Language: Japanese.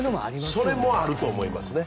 それもあると思います。